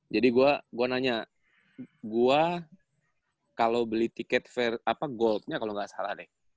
jadi gua nanya gua kalo beli tiket goldnya kalo ga salah deh